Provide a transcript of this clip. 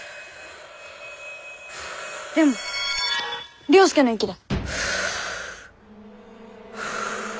・でも了助の息だ！